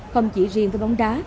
không chỉ riêng với bóng đá